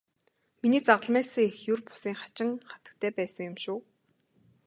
Миний загалмайлсан эх ер бусын хачин хатагтай байсан юм шүү.